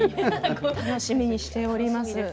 楽しみにしております。